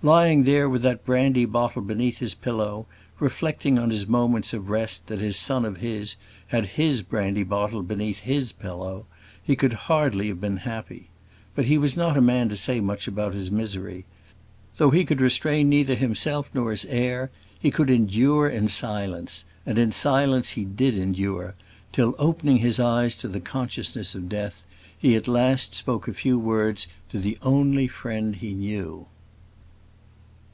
Lying there with that brandy bottle beneath his pillow, reflecting in his moments of rest that that son of his had his brandy bottle beneath his pillow, he could hardly have been happy. But he was not a man to say much about his misery. Though he could restrain neither himself nor his heir, he could endure in silence; and in silence he did endure, till, opening his eyes to the consciousness of death, he at last spoke a few words to the only friend he knew.